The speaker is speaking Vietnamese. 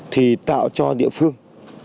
thì tạo cho địa phương